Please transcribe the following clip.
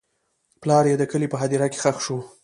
پلار یې د کلي په هدیره کې ښخ شو.